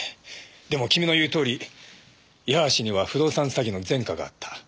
でも君の言うとおり矢橋には不動産詐欺の前科があった。